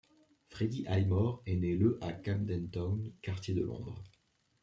Freddie Highmore est né le à Camden Town, quartier de Londres.